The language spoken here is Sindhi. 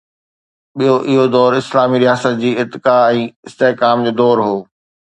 ٻيو، اهو دور اسلامي رياست جي ارتقا ۽ استحڪام جو دور هو.